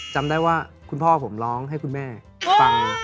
จำได้ว่าคุณพ่อผมร้องให้คุณแม่ฟังบ่อยตามผมเป็นเด็ก